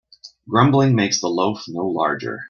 Grumbling makes the loaf no larger.